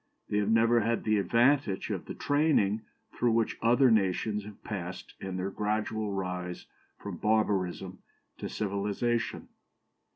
They have never had the advantage of the training through which other nations have passed in their gradual rise from barbarism to civilization.